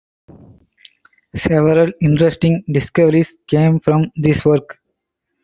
Several interesting discoveries came from this work.